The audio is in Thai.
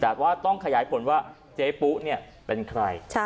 แต่ว่าต้องขยายผลว่าเจ๊ปุ๊เป็นใคร